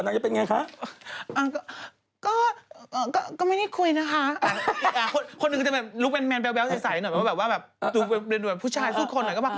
นางจะเป็นยังไงคะ